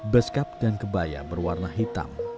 beskap dan kebaya berwarna hitam